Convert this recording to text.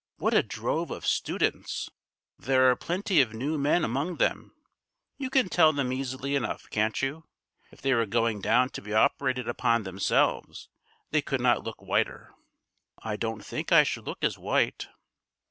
What a drove of students! There are plenty of new men among them. You can tell them easily enough, can't you? If they were going down to be operated upon themselves, they could not look whiter." "I don't think I should look as white."